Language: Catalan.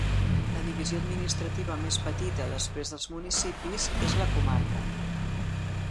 La divisió administrativa més petita, després dels municipis, és la comarca.